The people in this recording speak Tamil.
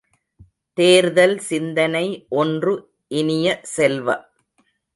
தேர்தல் சிந்தனை ஒன்று இனிய செல்வ!